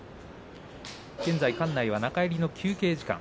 現在、館内は中入りの休憩時間。